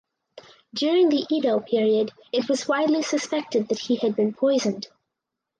During the Edo period it was widely suspected that he had been poisoned.